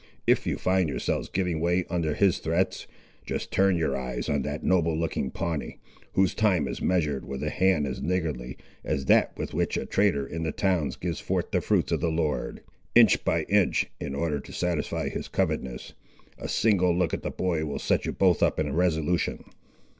If you find yourselves giving way under his threats, just turn your eyes on that noble looking Pawnee, whose time is measured with a hand as niggardly, as that with which a trader in the towns gives forth the fruits of the Lord, inch by inch, in order to satisfy his covetousness. A single look at the boy will set you both up in resolution."